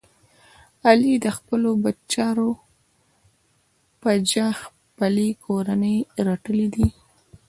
علی د خپلو بد چارو په جه خپلې کورنۍ رټلی دی.